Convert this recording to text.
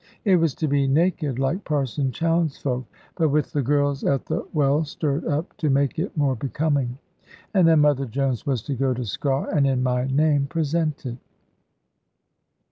It was to be naked (like Parson Chowne's folk), but with the girls at the well stirred up to make it more becoming. And then Mother Jones was to go to Sker, and in my name present it.